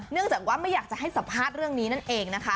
จากว่าไม่อยากจะให้สัมภาษณ์เรื่องนี้นั่นเองนะคะ